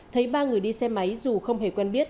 thấy ba người đi xe máy dù không hề quen biết